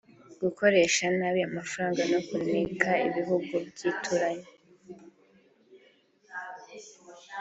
gukoresha nabi amafaranga no kuneka ibihugu by’ibituranyi